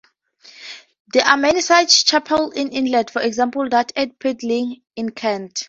There are many such chapels in England, for example that at Pedlinge in Kent.